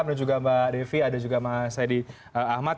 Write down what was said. dan juga mbak devi ada juga mbak saidi ahmad